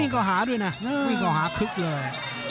อ้อวิ่งก็หาด้วยนะวิ่งก็หาคึกเลย